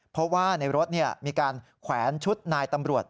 เพราะว่าในรถมีการแขวนชุดนายตำรวจ